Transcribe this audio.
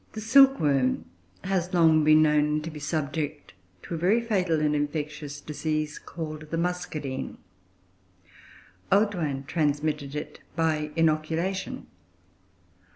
The silkworm has long been known to be subject to a very fatal and infectious disease called the Muscardine. Audouin transmitted it by inoculation.